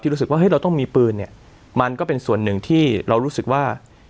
รู้สึกว่าเฮ้ยเราต้องมีปืนเนี่ยมันก็เป็นส่วนหนึ่งที่เรารู้สึกว่า